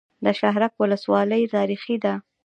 د شهرک ولسوالۍ تاریخي ده